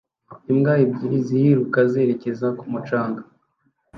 Imbwa ebyiri ziriruka zerekeza ku mucanga